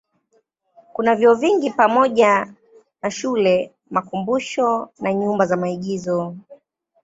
Kuna vyuo vingi pamoja na shule, makumbusho na nyumba za maigizo.